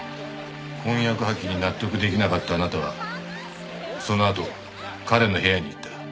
婚約破棄に納得出来なかったあなたはそのあと彼の部屋に行った。